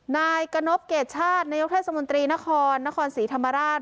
นายกนพเกรดชาตินายกเทศมนตรีนครนครศรีธรรมราช